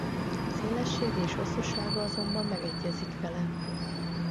Szélessége és hosszúsága azonban megegyezik vele.